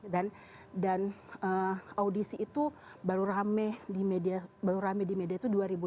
dan audisi itu baru rame di media itu dua ribu lima belas